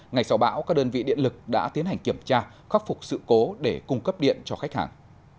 ngày sau bão các đơn vị điện lực đã tiến hành kiểm tra khắc phục sự cố để cung cấp điện cho khách hàng